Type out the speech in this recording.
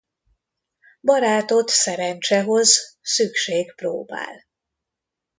Barátot szerencse hoz, szükség próbál.